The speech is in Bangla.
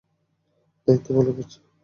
দায়িত্ব পালন করছি।